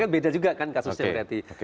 beda juga kan kasusnya berarti